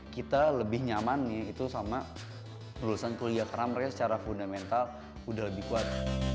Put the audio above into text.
kita lebih nyaman nih itu sama lulusan kuliah karena mereka secara fundamental udah lebih kuat